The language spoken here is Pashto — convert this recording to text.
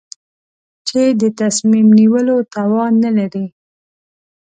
چې د تصمیم نیولو توان نه لري.